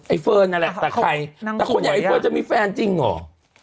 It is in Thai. ไอ้เฟิร์นละล่ะแต่ใครแต่ทางก่อนเองไอ้เฟิร์นจะมีแฟนจริงหรอ